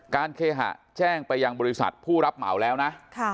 เคหะแจ้งไปยังบริษัทผู้รับเหมาแล้วนะ